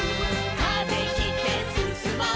「風切ってすすもう」